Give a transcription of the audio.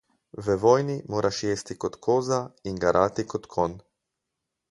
V vojni moraš jesti kot koza in garati kot konj.